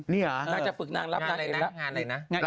นี่เหรอ